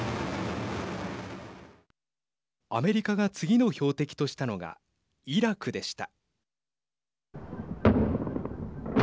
アメリカが次の標的としたのがイラクでした。